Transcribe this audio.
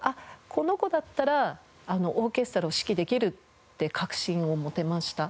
この子だったらオーケストラを指揮できるって確信を持てました。